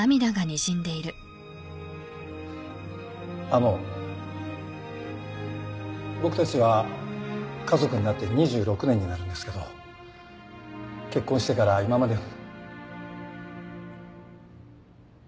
あの僕たちは家族になって２６年になるんですけど結婚してから今までの。